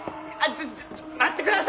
ちょちょ待ってください！